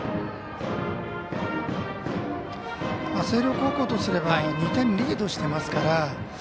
星稜高校とすれば２点リードしてますから。